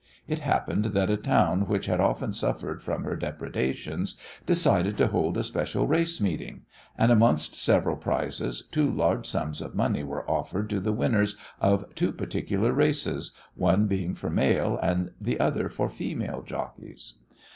It happened that a town which had often suffered from her depredations decided to hold a special race meeting, and amongst several prizes two large sums of money were offered to the winners of two particular races, one being for male and the other for female jockeys.